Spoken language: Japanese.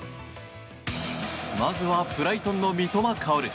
まずはブライトンの三笘薫。